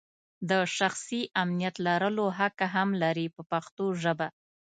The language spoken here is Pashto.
د شخصي امنیت لرلو حق هم لري په پښتو ژبه.